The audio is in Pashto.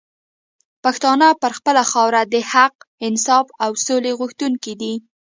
پښتانه پر خپله خاوره د حق، انصاف او سولي غوښتونکي دي